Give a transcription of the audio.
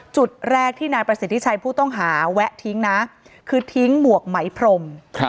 จุดแรกที่นายประสิทธิชัยผู้ต้องหาแวะทิ้งนะคือทิ้งหมวกไหมพรม